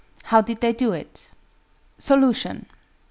How did they do it? _Solution.